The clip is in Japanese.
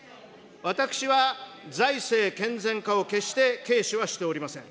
私は、財政健全化を決して軽視はしておりません。